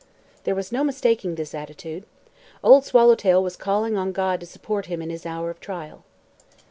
There was no mistaking this attitude. Old Swallowtail was calling on God to support him in this hour of trial.